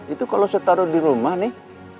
itu kalau saya taruh di rumah nih